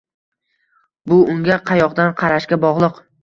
Bu unga qayoqdan qarashga bog’liq.